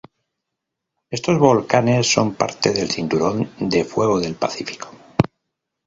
Estos volcanes son parte del Cinturón de Fuego del Pacífico.